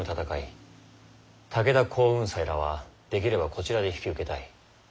武田耕雲斎らはできればこちらで引き受けたい。